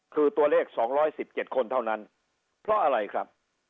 คือตัวเลขสองร้อยสิบเจ็ดคนเท่านั้นเพราะอะไรครับ